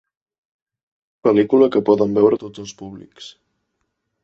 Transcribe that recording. Pel·lícula que poden veure tots els públics.